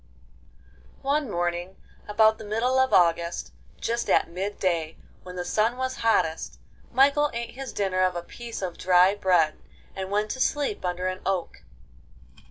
II One morning about the middle of August, just at mid day when the sun was hottest, Michael ate his dinner of a piece of dry bread, and went to sleep under an oak.